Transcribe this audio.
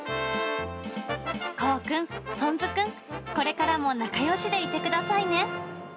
こうくん、ぽんずくん、これからも仲よしでいてくださいね。